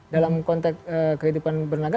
dalam konteks kehidupan bernaga